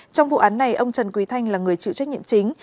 trong vụ án này ông trần quý thanh là người chịu trách nhiệm chính